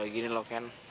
gini loh ken